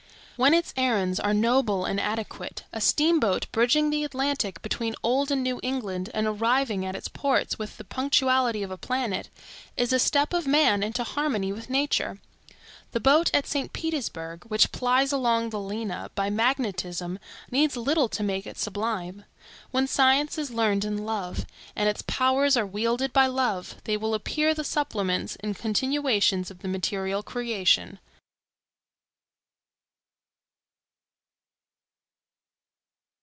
When its errands are noble and adequate, a steamboat bridging the Atlantic between Old and New England and arriving at its ports with the punctuality of a planet, is a step of man into harmony with nature. The boat at St. Petersburg, which plies along the Lena by magnetism, needs little to make it sublime. When science is learned in love, and its powers are wielded by love, they will appear the supplements and continuations of the material creation.